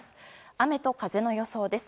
雨と風の予想です。